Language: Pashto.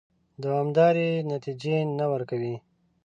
دوامدارې نتیجې نه ورکوي.